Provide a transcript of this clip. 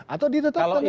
atau ditetapkan di becak